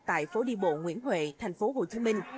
tại phố đi bộ nguyễn huệ tp hcm